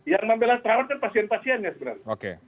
yang membela perawat kan pasien pasiennya sebenarnya